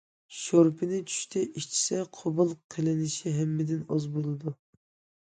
شورپىنى چۈشتە ئىچسە قوبۇل قىلىنىشى ھەممىدىن ئاز بولىدۇ.